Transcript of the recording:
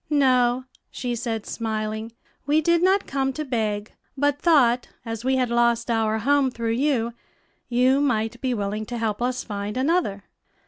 "No," she said, smiling; "we did not come to beg, but thought, as we had lost our home through you, you might be willing to help us find another."